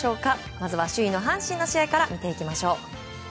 まずは首位の阪神の試合から見ていきましょう。